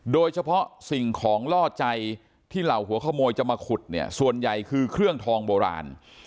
โดยเฉพาะสิ่งของล่อใจที่เหล่าหัวขโมยจะมาขุดเนี่ยส่วนใหญ่คือเครื่องทองโบราณ